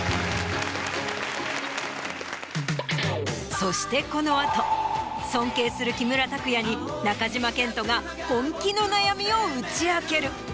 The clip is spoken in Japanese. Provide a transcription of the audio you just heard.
そしてこの後尊敬する木村拓哉に中島健人が本気の悩みを打ち明ける。